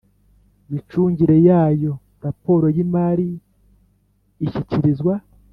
micungire yayo Raporo y imari ishyikirizwa